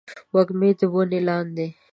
وږمې د ونې لاندې